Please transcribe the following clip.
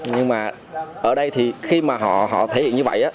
nhưng mà ở đây thì khi mà họ thể hiện như vậy